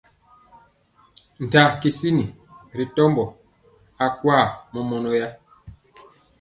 Taa kisin ri tɔmbɔ akwa mɔmɔnɔya.